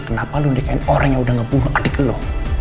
kenapa lu nikahin orang yang udah ngebunuh adik lu